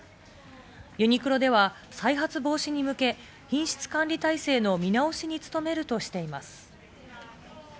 ユニクロでは再発防止に向け、品質管理体制の見直しに努めるとしています。